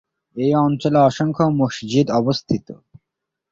এই অঞ্চলে অসংখ্য মসজিদ অবস্থিত।